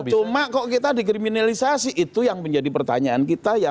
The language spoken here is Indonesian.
cuma kok kita dikriminalisasi itu yang menjadi pertanyaan kita ya